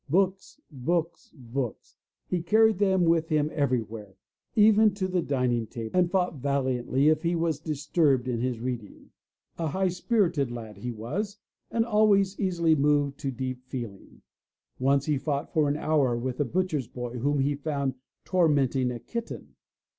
Books! Books! Books! He carried them with him everywhere, even to the dining table and fought valiantly if he was disturbed in his reading. A high spirited lad he was and always easily moved to deep feeling. Once he fought for an hour with a butcher's boy whom he found tor menting a kitten.